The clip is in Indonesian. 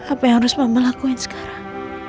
apa yang harus bapak lakuin sekarang